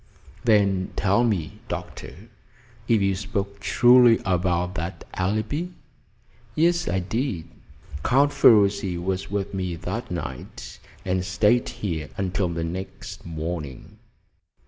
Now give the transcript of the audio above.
"Then tell me, Doctor, if you spoke truly about that alibi?" "Yes, I did. Count Ferruci was with me that night, and stayed here until the next morning."